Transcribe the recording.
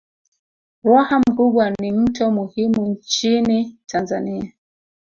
Ruaha Mkubwa ni mto muhimu nchini Tanzania